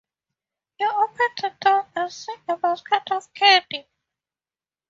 You open the door and see a basket of candy.